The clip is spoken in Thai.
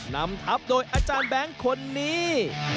นำทับโดยอาจารย์แบงค์คนนี้